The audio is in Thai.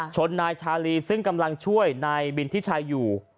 ชนนายชาลีซึ่งกำลังช่วยนายบินทิชัยอยู่